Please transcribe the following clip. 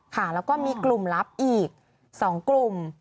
ค่ะแล้วก็มีกลุ่มลับอีก๒กลุ่ม